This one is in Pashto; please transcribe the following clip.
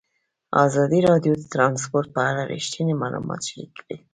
ازادي راډیو د ترانسپورټ په اړه رښتیني معلومات شریک کړي.